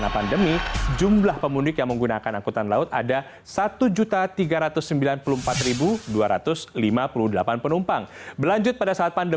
pemudik yang menggunakan angkutan udara